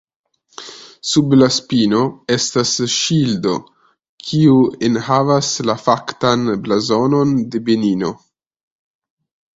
Sub la spino estas ŝildo kiu enhavas la faktan blazonon de Benino.